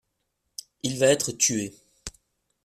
Il va être tué!